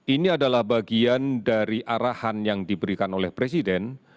ini adalah bagian dari arahan yang diberikan oleh presiden